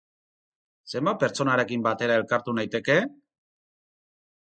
Zenbat pertsonarekin batera elkartu naiteke?